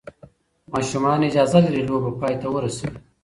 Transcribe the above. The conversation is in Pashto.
ماشومان اجازه لري لوبه پای ته ورسوي.